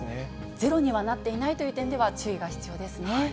ゼロにはなっていないという点では注意が必要ですね。